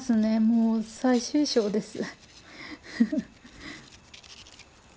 もう最終章です。